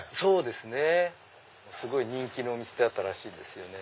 すごい人気のお店だったらしいですよね。